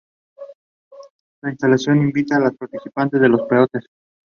Adicionalmente Adriano Giannini fue nominado para "Peor actor" pero perdió.